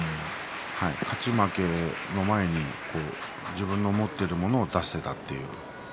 勝ち負けの前に自分の持っているものを出せたという。